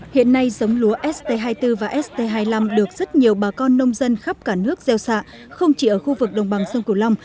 hiện nay giống lúa st hai mươi bốn và st hai mươi năm được rất nhiều bà con nông dân khắp cả nước gieo xạ không chỉ ở khu vực đồng bằng sông cửu long